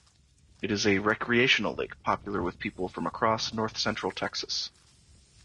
It is a recreational lake popular with people from across north central Texas.